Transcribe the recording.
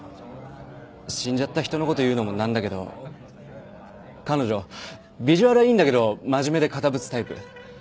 死んじゃった人の事を言うのもなんだけど彼女ビジュアルはいいんだけど真面目で堅物タイプ。